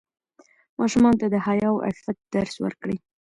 ماشومانو ته د حیا او عفت درس ورکړئ.